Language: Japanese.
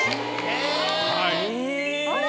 あら！